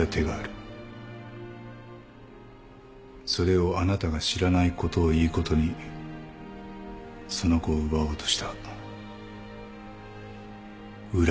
それをあなたが知らないことをいいことにその子を奪おうとした浦真は許されない。